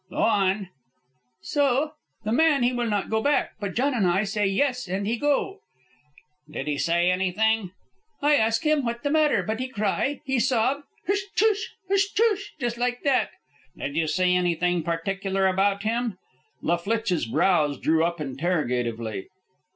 "Go on." "So? The man he will not go back; but John and I say yes, and he go." "Did he say anything?" "I ask him what the matter; but he cry, he ... he sob, huh tsch, huh tsch, just like that." "Did you see anything peculiar about him?" La Flitche's brows drew up interrogatively.